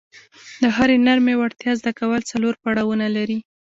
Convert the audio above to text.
د هرې نرمې وړتیا زده کول څلور پړاونه لري.